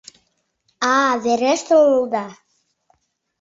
Аа-а, верештын улыда!..